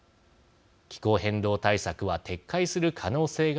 気候変動対策は撤回する可能性が高そうです。